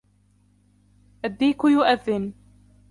الديك يؤذن.